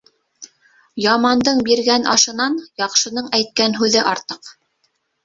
Ямандың биргән ашынан яҡшының әйткән һүҙе артыҡ.